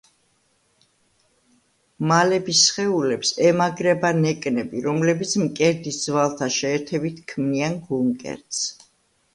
მალების სხეულებს ემაგრება ნეკნები, რომლებიც მკერდის ძვალთა შეერთებით ქმნიან გულმკერდს.